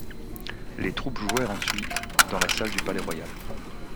Les troupes jouèrent ensuite dans la salle du Palais-Royal.